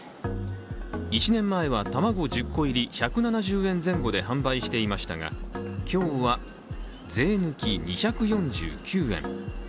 １年前は卵１０個入り１７０円前後で販売していましたが、今日は、税抜き２４９円。